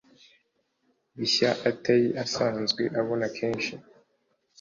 bishya atari asanzwe abona kenshi